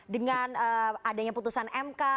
dengan adanya putusan mk